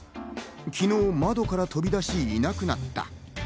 昨日、窓から飛び出し、いなくなった。